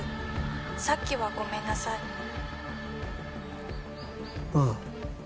「さっきはごめんなさい」ああ。